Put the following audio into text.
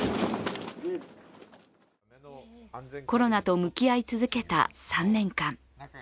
コロナと向き合い続けた３年間。